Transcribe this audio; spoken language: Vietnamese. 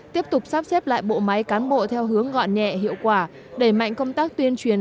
tiếp tục sắp xếp lại bộ máy cán bộ theo hướng gọn nhẹ hiệu quả đẩy mạnh công tác tuyên truyền